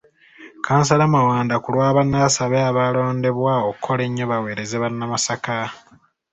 Kkansala Mawanda kulwa banne asabye abalondeddwa okukola ennyo baweereze bannamasaka .